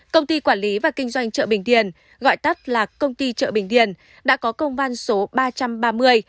công ty quản lý và kinh doanh chợ bình điền đã có công văn số ba trăm ba mươi